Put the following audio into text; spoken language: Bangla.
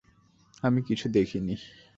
আমি কিছু দেখিনি।